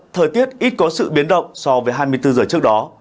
thời tiết ít có sự biến động so với hai mươi bốn giờ trước đó